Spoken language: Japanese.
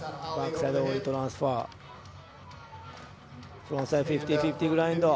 フロントサイド５０−５０グラインド。